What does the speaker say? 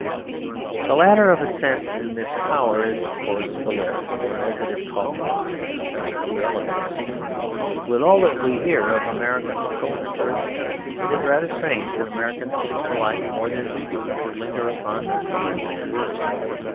The ladder of ascent in this tower is of course the lift, or, as it is called, the elevator. With all that we hear of American hustle and hurry it is rather strange that Americans seem to like more than we do to linger upon long words.